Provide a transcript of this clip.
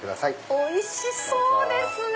おいしそうですね！